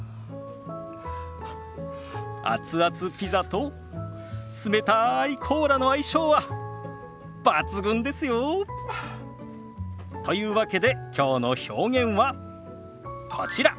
熱々ピザと冷たいコーラの相性は抜群ですよ。というわけできょうの表現はこちら。